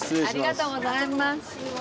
ありがとうございます。